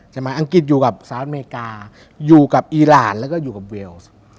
อังกฤษอยู่กับสหรัฐอเมริกาอยู่กับอีรานแล้วก็อยู่กับเวลส์